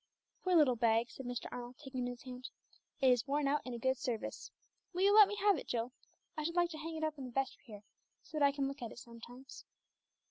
"Poor little bag!" said Mr. Arnold, taking it in his hand. "It is worn out in a good service. Will you let me have it, Jill? I should like to hang it up in the vestry here, so that I can look at it sometimes.